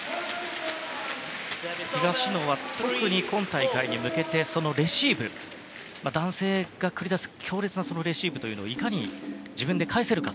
東野は特に今大会に向けてレシーブ、男性が繰り出す強烈なレシーブをいかに自分で返せるか。